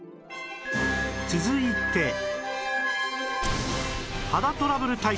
続いて